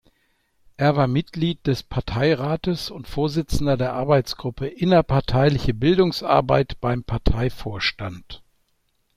Er war Mitglied des Parteirates und Vorsitzender der Arbeitsgruppe innerparteiliche Bildungsarbeit beim Parteivorstand.